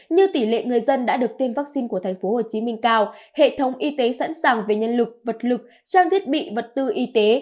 như tỷ lệ người dân đã được tiêm vaccine của thành phố hồ chí minh cao hệ thống y tế sẵn sàng về nhân lực vật lực trang thiết bị vật tư y tế